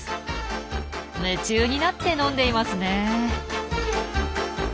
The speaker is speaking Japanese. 夢中になって飲んでいますねえ。